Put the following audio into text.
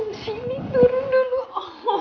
bisa bicara dulu gak mas